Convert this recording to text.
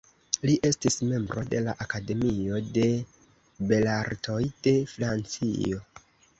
Li estis membro de la Akademio de Belartoj de Francio.